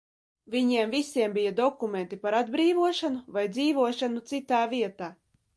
Viņiem visiem bija dokumenti par atbrīvošanu, vai dzīvošanu citā vietā.